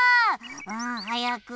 うんはやく。